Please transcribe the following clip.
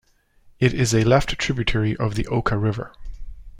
It is a left tributary of the Oka River.